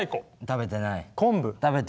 食べてない。